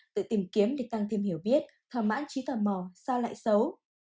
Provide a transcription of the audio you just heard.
tự tìm kiếm để tăng thêm hiểu biết thoả mãn trí thầm mò sao lại xấu